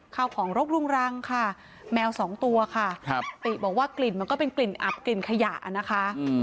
ข้าวของรกรุงรังค่ะแมวสองตัวค่ะติบอกว่ากลิ่นมันก็เป็นกลิ่นอับกลิ่นขยะนะคะ